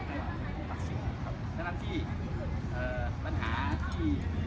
มีบ้างไหมครับมีบ้างนะครับ